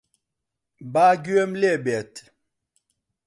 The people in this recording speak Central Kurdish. با گوێم لێ بێت.